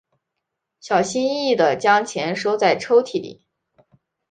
小心翼翼地将钱收在抽屉里